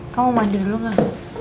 kamu mandi dulu gak